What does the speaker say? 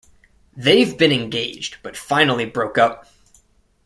They've been engaged but finally broke up.